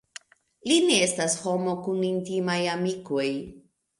Li ne estas homo kun intimaj amikoj.